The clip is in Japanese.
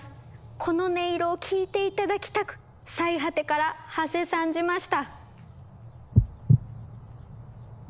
この音色を聞いて頂きたく最果てからはせ参じました。